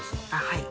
はい。